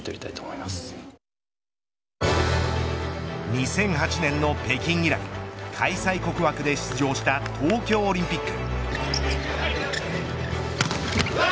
２００８年の北京以来開催国枠で出場した東京オリンピック。